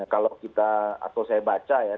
kalau kita atau saya baca ya